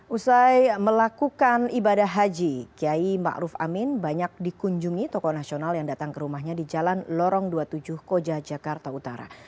usai melakukan ibadah haji kiai ⁇ maruf ⁇ amin banyak dikunjungi toko nasional yang datang ke rumahnya di jalan lorong dua puluh tujuh koja jakarta utara